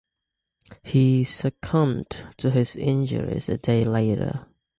He succumbed to his injuries a day later.